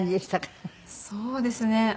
そうですね。